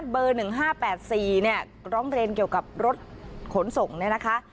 เบอร์๑๕๘๔เนี่ยร้องเรียนเกี่ยวกับรถขนส่งเนี่ยนะคะ